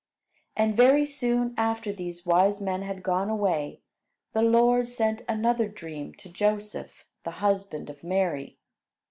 And very soon after these wise men had gone away, the Lord sent another dream to Joseph, the husband of Mary.